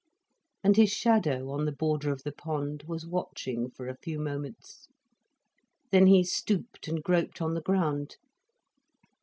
And his shadow on the border of the pond, was watching for a few moments, then he stooped and groped on the ground.